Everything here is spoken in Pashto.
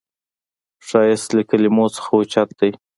ښایست له کلمو نه اوچت دی